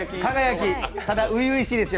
ただ、初々しいですよ